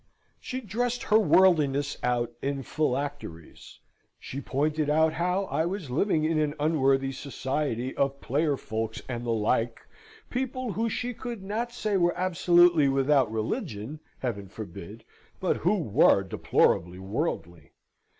She dressed her worldliness out in phylacteries. She pointed out how I was living in an unworthy society of player folks, and the like people, who she could not say were absolutely without religion (Heaven forbid!), but who were deplorably worldly.